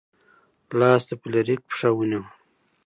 لاس د فلیریک پښه ونیوه.